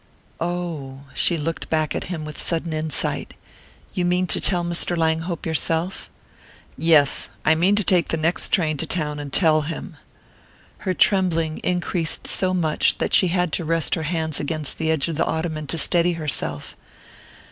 "Oh " She looked back at him with sudden insight. "You mean to tell Mr. Langhope yourself?" "Yes. I mean to take the next train to town and tell him." Her trembling increased so much that she had to rest her hands against the edge of the ottoman to steady herself.